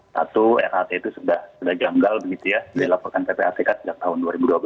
satu rat itu sudah janggal begitu ya dilaporkan ppatk sejak tahun dua ribu dua belas